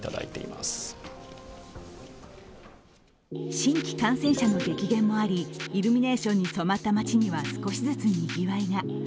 新規感染者の激減もあり、イルミネーションに染まった街には少しずつ賑わいが。